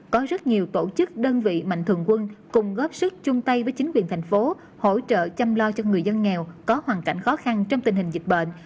có rất nhiều tổ chức đơn vị mạnh thường quân cùng góp sức chung tay với chính quyền thành phố hỗ trợ chăm lo cho người dân nghèo có hoàn cảnh khó khăn trong tình hình dịch bệnh